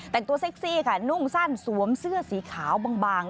แต่งตัวเซ็กซี่ค่ะนุ่งสั้นสวมเสื้อสีขาวบาง